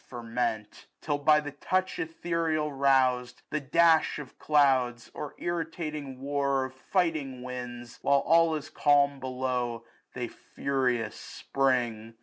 Ferment ; till, by the touch ethereal rousM, The dash of clouds, or irritating war Of fighting winds, while all is calm below, '' '5 Tbcy furious spring.